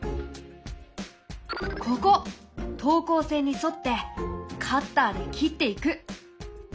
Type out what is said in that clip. ここ等高線に沿ってカッターで切っていく！